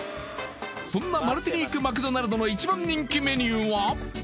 そんなマルティニークマクドナルドの１番人気メニューは？